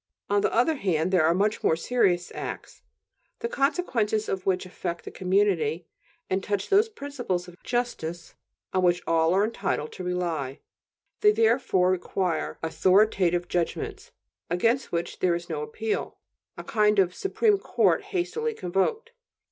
On the other hand, there are much more serious acts, the consequences of which affect the community and touch those principles of justice on which all are entitled to rely; they therefore require "authoritative judgments" against which there is no appeal; a kind of Supreme Court hastily convoked.